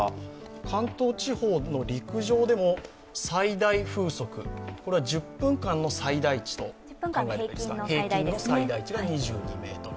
関東地方の陸上でも最大風速、これは１０分間の平均の最大値が２２メートル。